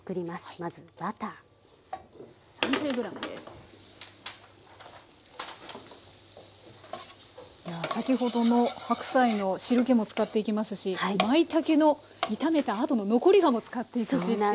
まずやあ先ほどの白菜の汁けも使っていきますしまいたけの炒めたあとの残り香も使っていくしっていう。